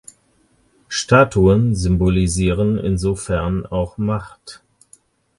Statuen symbolisieren insofern auch Macht.